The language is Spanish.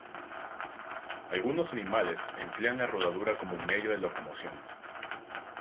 Algunos animales emplean la rodadura como medio de locomoción.